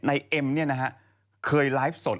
ในเอ็มเนี่ยนะฮะเคยไลฟ์สด